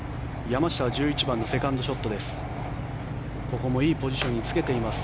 山下は１１番のセカンドショットです。